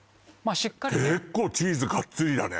しっかりね結構チーズがっつりだね